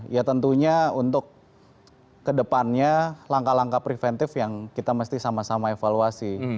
ya tentunya untuk kedepannya langkah langkah preventif yang kita mesti sama sama evaluasi